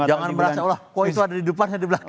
jangan merasa wah kok itu ada di depan saya di belakang